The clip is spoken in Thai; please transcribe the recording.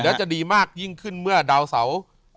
แล้วจะดีมากยิ่งขึ้นเมื่อดาวเสา